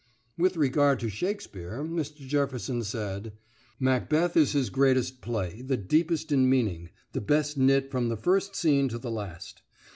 With regard to Shakespeare Mr. Jefferson said: "'Macbeth' is his greatest play, the deepest in meaning, the best knit from the first scene to the last.